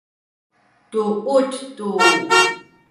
duut tu